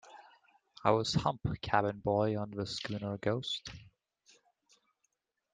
I was Hump, cabin boy on the schooner Ghost.